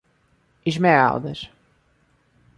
Esmeraldas